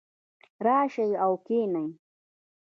راشئ او کښېنئ